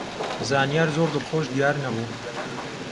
زانیار زۆر دڵخۆش دیار نەبوو.